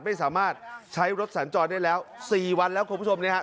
ไม่สามารถใช้รถสัญจรได้แล้ว๔วันแล้วคุณผู้ชมเนี่ยฮะ